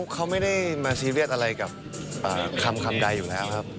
เขาไม่ได้มาซีเรียสอะไรกับคำใดอยู่แล้วครับ